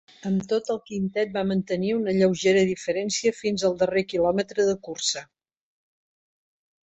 Amb tot el quintet va mantenir una lleugera diferència fins al darrer quilòmetre de cursa.